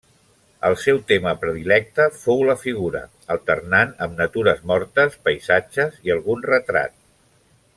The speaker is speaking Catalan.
El seu tema predilecte fou la figura, alternant amb natures mortes, paisatges i algun retrat.